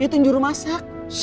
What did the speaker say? itu yang juru masak